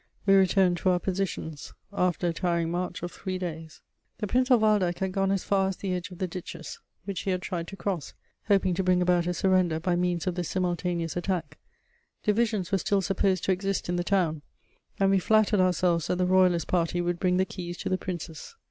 We returned to our positions, after a tiring march of three days. The Prince of Waldeck had gone as far as the edge of the ditches, which he had tried to cross, hoping to bring about a surrender by means of the simultaneous attack: divisions were still supposed to exist in the town, and we flattered ourselves that the Royalist party would bring the keys to the Princes.